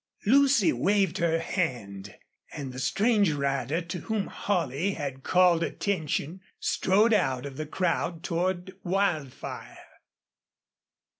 Lucy waved her hand, and the strange rider to whom Holley had called attention strode out of the crowd toward Wildfire.